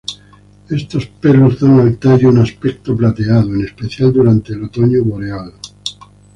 Estos pelos dan al tallo un aspecto plateado, en especial durante el otoño boreal.